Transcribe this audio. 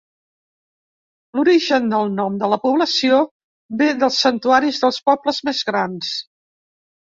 L'origen del nom de la població ve dels santuaris dels pobles més grans.